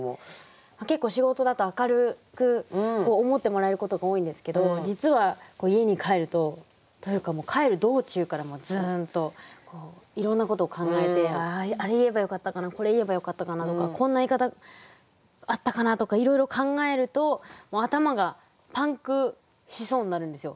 結構仕事だと明るく思ってもらえることが多いんですけど実は家に帰るとというか帰る道中からずんといろんなことを考えて「あれ言えばよかったかなこれ言えばよかったかな」とか「こんな言い方あったかな」とかいろいろ考えると頭がパンクしそうになるんですよ。